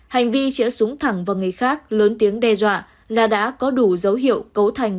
hành vi chĩa súng thẳng vào người khác lớn tiếng đe dọa là đã có đủ dấu hiệu cấu thành